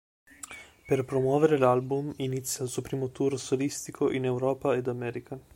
Per promuovere l'album inizia il suo primo Tour solistico in Europa ed America.